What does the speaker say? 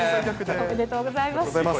おめでとうございます。